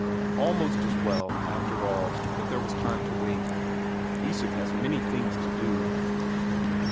Almost as well, after all, that there was time to wait Isak has many things to do.